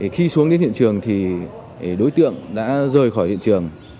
khi xuống đến hiện trường thì đối tượng đã rời khỏi hiện trường